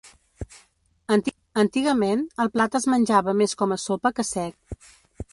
Antigament, el plat es menjava més com a sopa que sec.